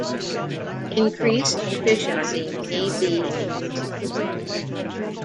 Increased efficiency may be a result.